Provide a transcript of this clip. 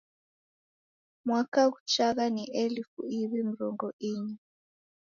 Mwaka ghuchagha ni elifu iw'i mrongo inya